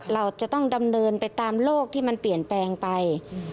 เราจะต้องดำเนินไปตามโลกที่มันเปลี่ยนแปลงไป